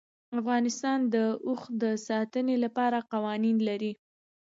افغانستان د اوښ د ساتنې لپاره قوانین لري.